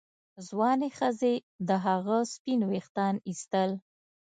ځوانې ښځې د هغه سپین ویښتان ایستل.